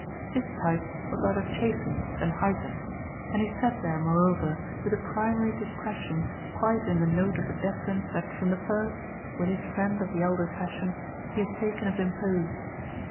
His type was rather chastened than heightened, and he sat there moreover with a primary discretion quite in the note of the deference that from the first, with his friend of the elder fashion, he had taken as imposed.